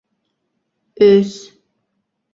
З